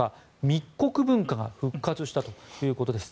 密告文化が復活したということです。